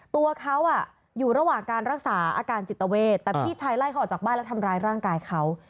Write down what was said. ตัวเขาอยู่ระหว่างการรักษาอาการจิตเวทแต่พี่ชายไล่เขาออกจากบ้านแล้วทำร้ายร่างกายเขา